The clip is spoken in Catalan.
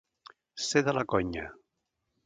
Ser de la conya.